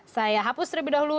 saya hapus lebih dahulu